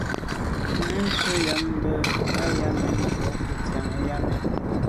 Mɛ̂n nshûn ὰm bə α̂ Yâmɛn Bò kə ntsiaŋ i α̂ Yâmɛn.